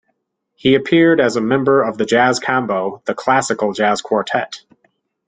He appeared as a member of the jazz combo the Classical Jazz Quartet.